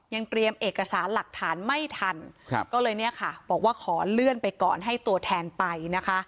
ยังเตรียมเอกสารหลักฐานไม่ทันก็เลยก็พูดว่าขอเลื่อนไปก่อนให้ตัวแทนไป